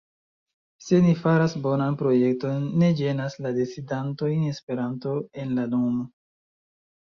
Se ni faras bonan projekton, ne ĝenas la decidantojn Esperanto en la nomo.